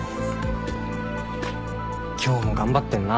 今日も頑張ってんな。